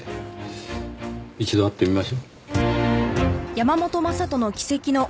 一度会ってみましょう。